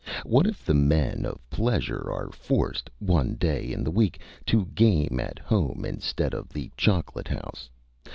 What if the men of pleasure are forced, one day in the week, to game at home instead of the chocolate house?